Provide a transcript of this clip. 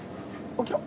起きろ！